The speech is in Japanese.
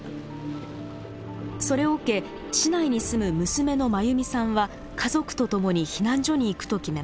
それを受け市内に住む娘の真由美さんは家族と共に避難所に行くと決めます。